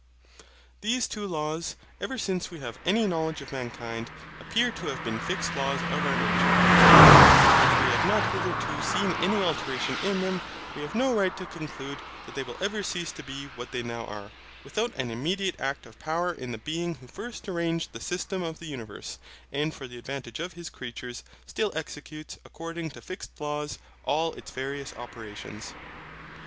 These two laws, ever since we have had any knowledge of mankind, appear to have been fixed laws of our nature, and, as we have not hitherto seen any alteration in them, we have no right to conclude that they will ever cease to be what they now are, without an immediate act of power in that Being who first arranged the system of the universe, and for the advantage of his creatures, still executes, according to fixed laws, all its various operations.